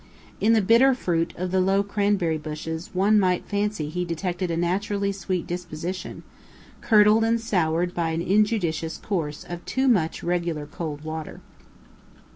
In the bitter fruit of the low cranberry bushes one might fancy he detected a naturally sweet disposition curdled and soured by an injudicious course of too much regular cold water.